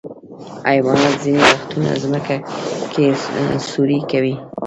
حیوانات ځینې وختونه ځمکه کې سوری کوي.